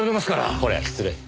これは失礼。